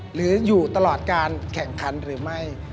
หรืออยู่ตลอดการแข่งขันหรือไม่